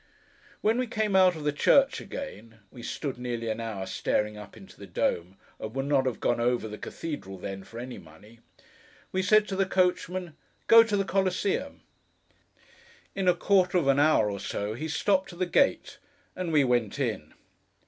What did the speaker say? When we came out of the church again (we stood nearly an hour staring up into the dome: and would not have 'gone over' the Cathedral then, for any money), we said to the coachman, 'Go to the Coliseum.' In a quarter of an hour or so, he stopped at the gate, and we went in.